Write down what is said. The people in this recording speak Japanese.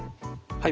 はい。